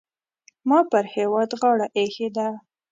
ما پر هېواد غاړه اېښې ده.